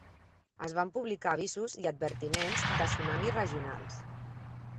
Es van publicar avisos i advertiments de tsunami regionals.